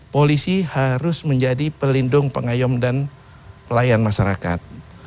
polisi harus menjadi pelindung pengayom dan pelayan masyarakat